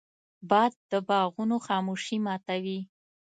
باد د باغونو خاموشي ماتوي